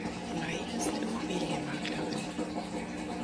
Mei ist Immobilienmaklerin.